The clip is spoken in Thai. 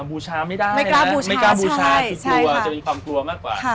บูชาไม่ได้นะไม่กล้าบูชาคือกลัวจะมีความกลัวมากกว่า